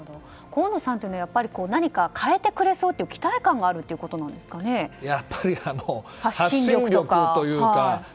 河野さんというのは何か変えてくれそうというやっぱり、発信力というか。